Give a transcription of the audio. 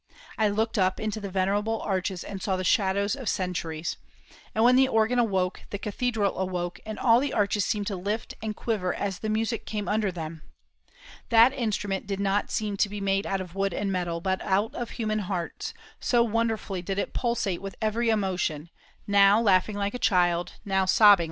I looked up into the venerable arches and saw the shadows of centuries; and when the organ awoke the cathedral awoke, and all the arches seemed to lift and quiver as the music came under them. That instrument did not seem to be made out of wood and metal, but out of human hearts, so wonderfully did it pulsate with every emotion; now laughing like a child, now sobbing like a tempest.